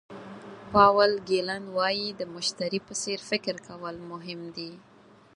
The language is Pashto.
پاول ګیلن وایي د مشتري په څېر فکر کول مهم دي.